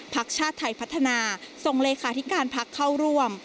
พักชาติไทยพัฒนาส่งเลขาธิการพักเข้าร่วม